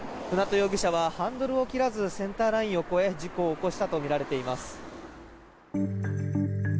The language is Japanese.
舟渡容疑者はハンドルを切らずセンターラインを越え事故を起こしたとみられています。